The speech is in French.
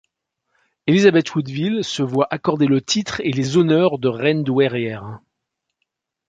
Élisabeth Woodville se voit accorder le titre et les honneurs de reine douairière.